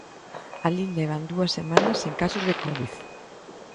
Alí levan dúas semanas sen casos de covid.